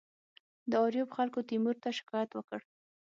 د آریوب خلکو تیمور ته شکایت وکړ.